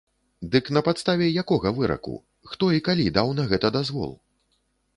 Дык на падставе якога выраку, хто і калі даў на гэта дазвол?